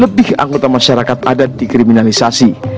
delapan puluh lebih anggota masyarakat adat dikriminalisasi